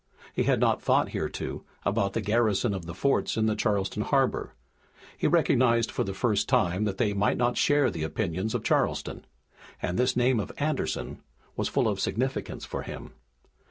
He had not thought hitherto about the garrison of the forts in Charleston harbor. He recognized for the first time that they might not share the opinions of Charleston, and this name of Anderson was full of significance for him.